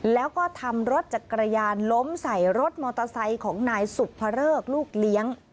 แล้วก็ทำรถจักรยานล้มใส่รถมอเตอร์ไซค์ของนายสุภเริกลูกเลี้ยง